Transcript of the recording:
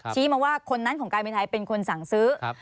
ชี้มาว่าคนนั้นของการบินไทยเป็นคนสั่งซื้อ